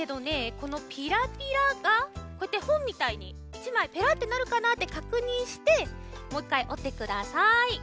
このピラピラがこうやってほんみたいに１まいペラってなるかなってかくにんしてもう１かいおってください。